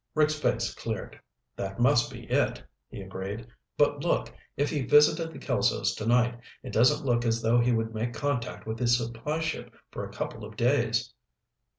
Rick's face cleared. "That must be it," he agreed. "But look, if he visited the Kelsos tonight, it doesn't look as though he would make contact with his supply ship for a couple of days."